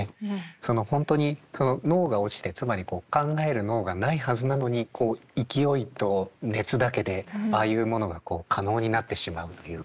その本当に脳が落ちてつまり考える脳がないはずなのにこう勢いと熱だけでああいうものが可能になってしまうっていうか。